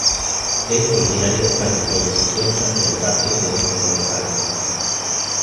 Es originaria de España donde se encuentra en el Parque de los Alcornocales.